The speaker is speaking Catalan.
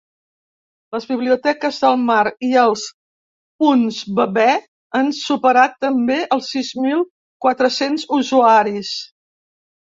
Les biblioteques del mar i els punts bebè han superat també els sis mil quatre-cents usuaris.